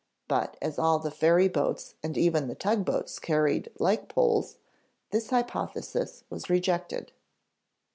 But as all the ferryboats and even the tugboats carried like poles, this hypothesis was rejected.